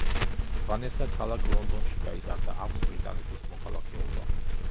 ვანესა ქალაქ ლონდონში გაიზარდა, აქვს ბრიტანეთის მოქალაქეობა.